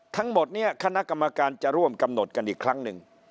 ทั้งหมดนี้คณะกรรมการจะร่วมกำหนดกันอีกครั้งหนึ่ง